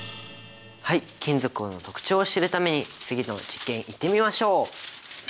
はい金属の特徴を知るために次の実験いってみましょう！